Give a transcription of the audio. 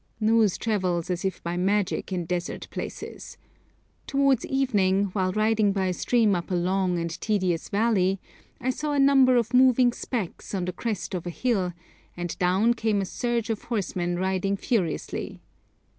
News travels as if by magic in desert places. Towards evening, while riding by a stream up a long and tedious valley, I saw a number of moving specks on the crest of a hill, and down came a surge of horsemen riding furiously.